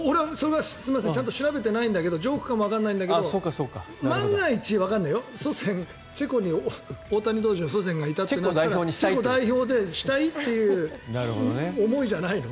ちゃんと調べてないんだけどジョークかもわからないんだけど万が一チェコに大谷投手の祖先がいたらチェコ代表にしたいっていう思いじゃないの？